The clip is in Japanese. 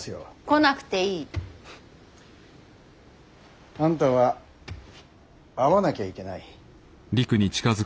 来なくていい。あんたは会わなきゃいけない。